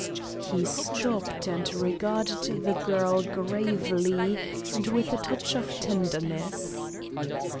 He stopped and regarded the girl gravely and with a touch of tenderness.